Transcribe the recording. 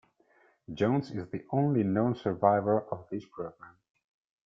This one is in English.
Jones is the only known survivor of this program.